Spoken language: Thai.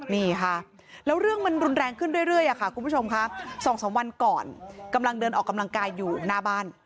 นี่ค่ะแล้วเรื่องมันรุนแรงขึ้นเรื่อยค่ะคุณผู้ชมค่ะ๒๓วันก่อนกำลังเดินออกกำลังกายอยู่หน้าบ้าน